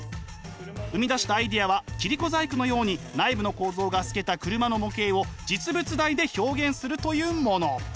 生み出したアイデアは切り子細工のように内部の構造が透けた車の模型を実物大で表現するというもの。